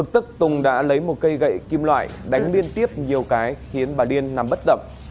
tùng đã lấy một cây gậy kim loại đánh liên tiếp nhiều cái khiến bà liên nằm bất đậm